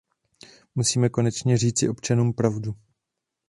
Musíme konečně říci občanům pravdu.